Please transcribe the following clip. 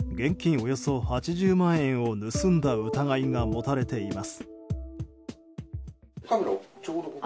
およそ８０万円を盗んだ疑いが持たれています。